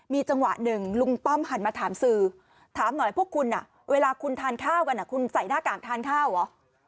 มีจังหวะหนึ่งลุงป้อมหันมาถามสื่อถามหน่อยพวกคุณเวลาคุณทานข้าวกันคุณใส่หน้ากากทานข้าวเหรอ